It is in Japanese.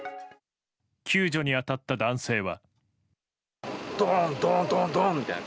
救助に当たった男性は。